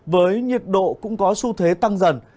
với nhiệt độ cũng có xu thế tăng dần